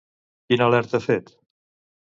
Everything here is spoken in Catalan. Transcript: Quina alerta ha fet?